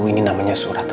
ini namanya surat takdir